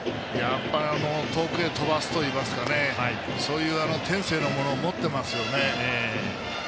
遠くへ飛ばすといいますかそういう天性のものを持ってますよね。